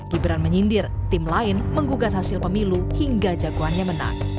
gibran menyindir tim lain menggugat hasil pemilu hingga jagoannya menang